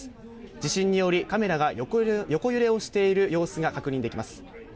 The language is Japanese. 地震によりカメラが横揺れをしている様子が確認できます。